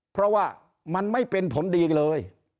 เพราะว่ามันไม่เป็นผลดีเลย